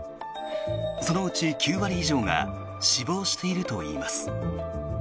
そのうち９割以上が死亡しているといいます。